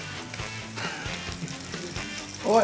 おい！